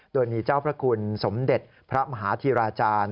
โดยมีเจ้าพระคุณสมเด็จพระมหาธิราจารย์